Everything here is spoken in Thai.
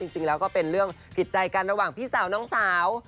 จริงแล้วก็เป็นเรื่องผิดใจกันระหว่างพี่สาวน้องสาว